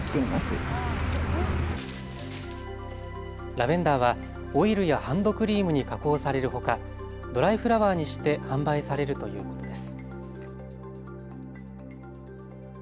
ラベンダーはオイルやハンドクリームに加工されるほかドライフラワーにして販売されるということです。